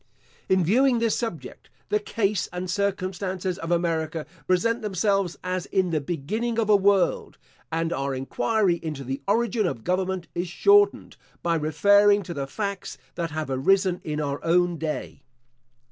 In viewing this subject, the case and circumstances of America present themselves as in the beginning of a world; and our enquiry into the origin of government is shortened, by referring to the facts that have arisen in our own day.